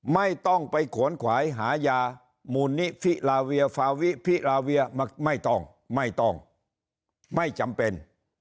ไม่ต้องไปขวนขวายหายามูลนิธิลาเวียฟาวิพิราเวียไม่ต้องไม่ต้องไม่จำเป็น